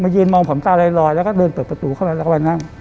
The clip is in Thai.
มาเย็นมองผมตาลอยแล้วก็เดินเปิดประตูเข้ามาแล้วเขามานั่ง